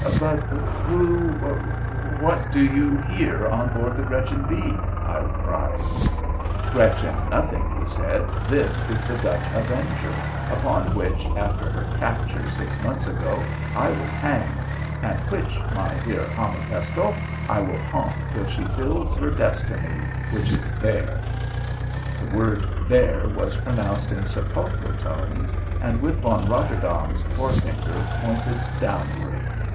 "But who what do you here on board the Gretchen B.?" I cried. "Gretchen nothing," he said. "This is the Dutch Avenger, upon which, after her capture, six months ago, I was hanged, and which, my dear Hammerpestle, I shall haunt till she fills her destiny, which is there!" The word "there" was pronounced in sepulchral tones, and with Von Rotterdaam's forefinger pointed downward.